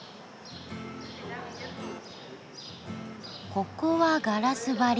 ここはガラス張り。